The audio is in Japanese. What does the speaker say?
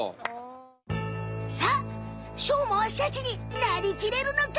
さっしょうまはシャチになりきれるのか？